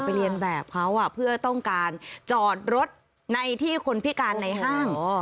เรียนแบบเขาเพื่อต้องการจอดรถในที่คนพิการในห้าง